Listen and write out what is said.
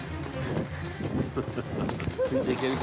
「ついて行けるか？